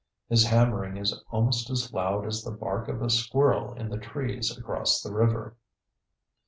His hammering is almost as loud as the bark of a squirrel in the trees across the river.